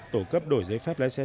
tổ cấp đổi giấy phép lái xe